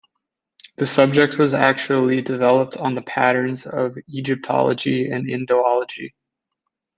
The subject was actually developed on the patterns of Egyptology and Indology.